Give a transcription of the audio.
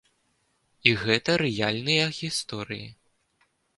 І гэта рэальныя гісторыі.